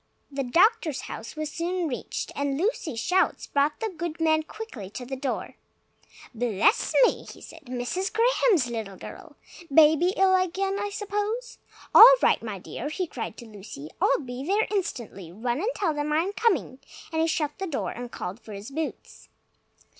The doctor's house was soon reached, and Lucy's shouts brought the good man quickly to the door. "Bless me!" he said, "Mrs. Graham's little girl! Baby ill again, I suppose? All right, my dear!" he cried to Lucy. "I'll be there instantly. Run and tell them I'm coming!" and he shut the door and called for his boots.